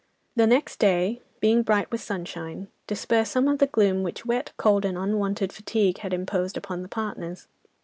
The next day, being bright with sunshine, dispersed some of the gloom which wet, cold and unwonted fatigue had imposed upon the partners.